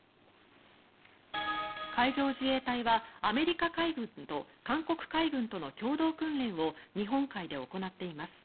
海上自衛隊はアメリカ海軍と韓国海軍との共同訓練を日本海で行っています。